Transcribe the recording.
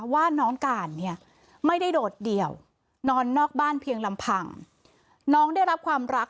ว่าน้องการเนี่ยไม่ได้โดดเดี่ยวนอนนอกบ้านเพียงลำพังน้องได้รับความรัก